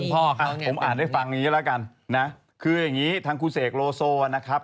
ผมอ่านได้ฟังอย่างนี้แล้วกันคืออย่างนี้ทางครูเสกโลโซนะครับ